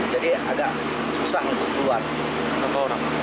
jadi agak susah untuk keluar